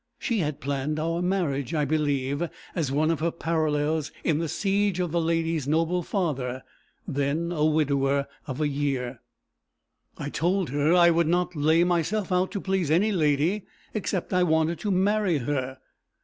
She had planned our marriage, I believe, as one of her parallels in the siege of the lady's noble father, then a widower of a year. I told her I would not lay myself out to please any lady, except I wanted to marry her.